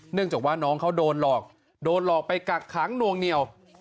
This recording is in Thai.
จากว่าน้องเขาโดนหลอกโดนหลอกไปกักขังนวงเหนียว